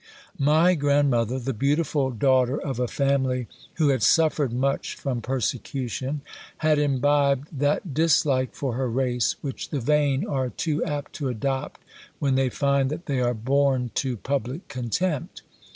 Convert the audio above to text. My grandmother, the beautiful daughter of a family who had suffered much from persecution, had imbibed that dislike for her race which the vain are too apt to adopt when they find that they are born to public contempt.